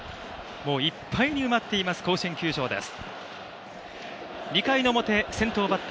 いっぱいに埋まっています、甲子園球場です。